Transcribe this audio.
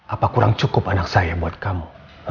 apa kurang cukup anak saya buat kamu